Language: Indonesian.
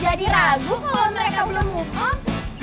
jadi ragu kalau mereka belum ngupon